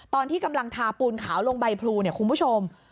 ตอนที่กำลังทาปูนขาวลงใบพลูเนี่ยคุณผู้ชม